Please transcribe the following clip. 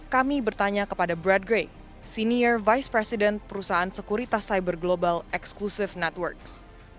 kami bertanya kepada brad gray senior vice president perusahaan sekuritas cyber global exclusive networks